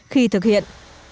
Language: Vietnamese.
khi thực hiện